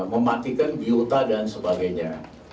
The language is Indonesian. mematikan biota dan sebagainya